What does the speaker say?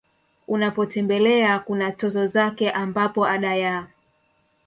unapotembelea kuna tozo zake ambapo Ada ya